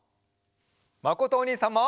まことおにいさんも！